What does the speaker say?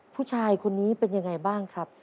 ผู้ชายคนนี้เป็นยังไงบ้างครับ